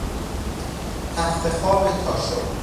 تخت خواب تاشو